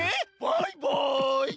バイバイ！